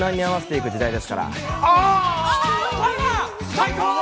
最高！